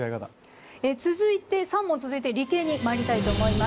続いて３問続いて理系にまいりたいと思います。